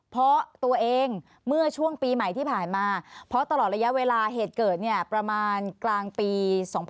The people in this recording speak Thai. เพราะตัวเองเมื่อช่วงปีใหม่ที่ผ่านมาเพราะตลอดระยะเวลาเหตุเกิดเนี่ยประมาณกลางปี๒๕๖๒